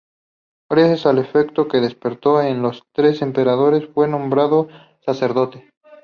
Gracias al afecto que despertó en los tres emperadores fue nombrado sacerdote.